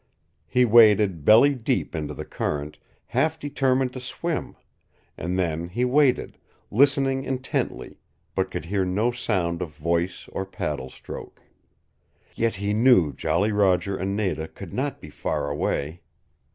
He waded belly deep into the current, half determined to swim; and then he waited, listening intently, but could hear no sound of voice or paddle stroke. Yet he knew Jolly Roger and Nada could not be far away.